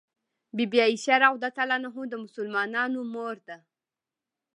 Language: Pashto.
بي بي عائشه رض د مسلمانانو مور ده